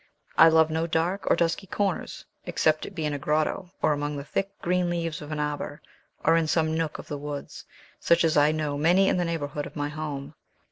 I love no dark or dusky corners, except it be in a grotto, or among the thick green leaves of an arbor, or in some nook of the woods, such as I know many in the neighborhood of my home.